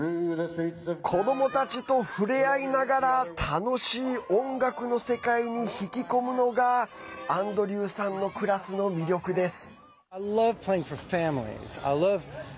子どもたちと触れ合いながら楽しい音楽の世界に引き込むのがアンドリューさんのクラスの魅力です。